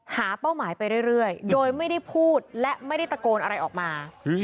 เป้าหมายไปเรื่อยโดยไม่ได้พูดและไม่ได้ตะโกนอะไรออกมา